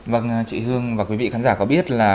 vâng chị hương và quý vị khán giả có biết là